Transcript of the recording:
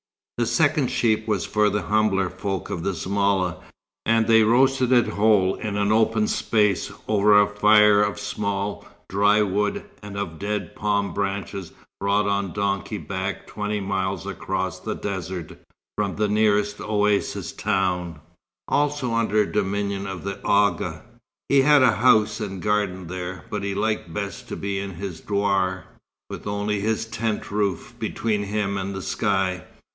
The second sheep was for the humbler folk of the zmala, and they roasted it whole in an open space, over a fire of small, dry wood, and of dead palm branches brought on donkey back twenty miles across the desert, from the nearest oasis town, also under dominion of the Agha. He had a house and garden there; but he liked best to be in his douar, with only his tent roof between him and the sky.